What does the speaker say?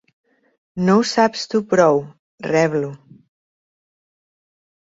No ho saps tu prou —reblo.